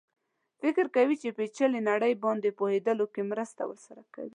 فکر کوي چې پېچلې نړۍ باندې پوهېدلو کې مرسته ورسره کوي.